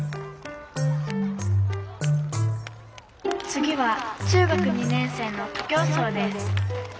「次は中学２年生の徒競走です」。